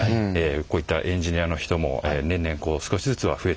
こういったエンジニアの人も年々少しずつは増えてきてます。